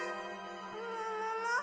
ももも？